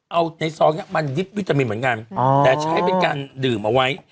เอาในซองนี้มันยึดวิตามินเหมือนกันแต่ใช้เป็นการดื่มเอาไว้